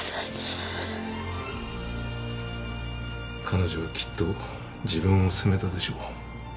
彼女はきっと自分を責めたでしょう。